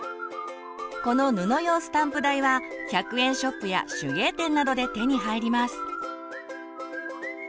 この布用スタンプ台は１００円ショップや手芸店などで手に入ります。